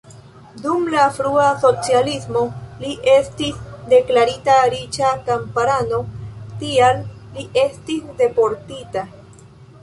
Dum la frua socialismo li estis deklarita riĉa kamparano, tial li estis deportita.